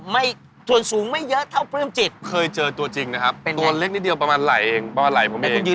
มาแล้วครับมาแล้วครับโอ้โฮ